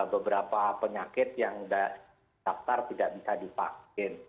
beberapa penyakit yang daftar tidak bisa divaksin